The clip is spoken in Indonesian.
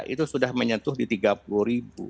itu sudah menyentuh di rp tiga puluh